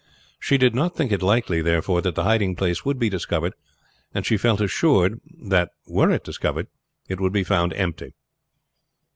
She did not think it likely, therefore, that the hiding place would be discovered, and she felt assured that were it discovered it would be found empty.